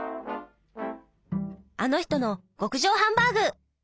あの人の極上ハンバーグ。